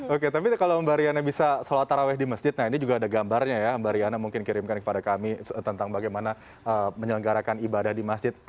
oke tapi kalau mbak riana bisa sholat taraweh di masjid nah ini juga ada gambarnya ya mbak riana mungkin kirimkan kepada kami tentang bagaimana menyelenggarakan ibadah di masjid